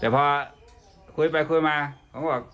แต่พอคุยไปคุยมาผมก็บอก